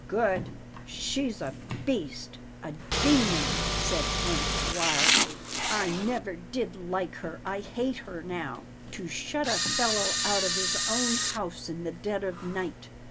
" Good — she's a beast, a demon," said Hank, wildly, " I never did like her. I hate her now — to shut a fellow out of his own house in the dead of night!"